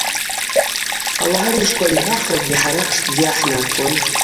Ауагӏа рыжвква ангӏвахрагьи хӏара хшбзи гӏахӏнатуан.